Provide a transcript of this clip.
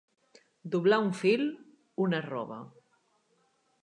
Doblar un fil, una roba.